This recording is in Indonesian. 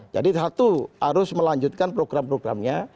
jadi satu harus melanjutkan program programnya